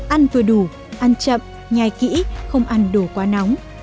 ăn vừa đủ ăn chậm nhài kỹ không ăn đồ quá nóng